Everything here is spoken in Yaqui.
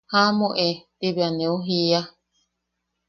¡Jaʼamu e! ti bea neu jiia.